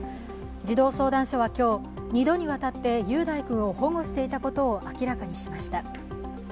児童相談所は今日、２度にわたって雄大君を保護していたことを明らかにしました。